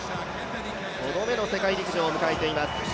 ５度目の世界陸上を迎えています。